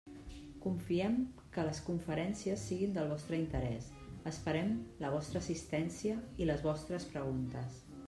Confiem que les conferències siguin del vostre interès, esperem la vostra assistència i les vostres preguntes.